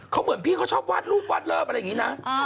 เขาเหมือนพี่เขาชอบวาดรูปวาดเลิฟอะไรอย่างนี้นะ